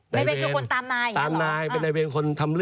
แม้เวรคือคนตามนายใช่หรอก